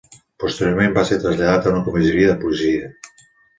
Posteriorment va ser traslladat a una comissaria de policia.